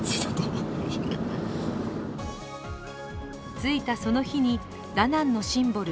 着いたその日にダナンのシンボル